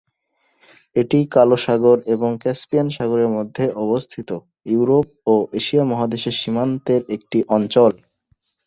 এটি কালো সাগর এবং ক্যাস্পিয়ান সাগরের মধ্যে অবস্থিত, ইউরোপ ও এশিয়া মহাদেশের সীমান্তের একটি অঞ্চল।